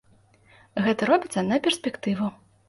Гэта робіцца на перспектыву.